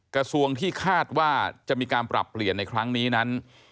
กระทรวงที่คาดว่าจะมีการปรับเปลี่ยนในครั้งนี้นั้น